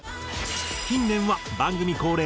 近年は番組恒例